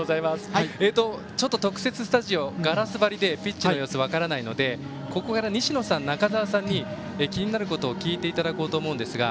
スタジオはガラス張りでピッチの様子は分からないのでここから西野さん、中澤さんに気になることを聞いていただきたいと思います。